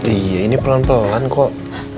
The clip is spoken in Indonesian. iya ini pelan pelan kok